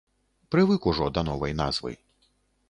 Прывык ужо да новай назвы.